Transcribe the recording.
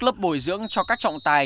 lớp bồi dưỡng cho các trọng tài